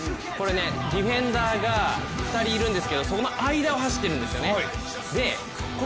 ディフェンダーが２人いるんですけどその間を走ってるんですよね。